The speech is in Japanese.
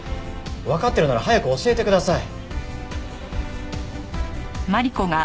わかってるなら早く教えてください。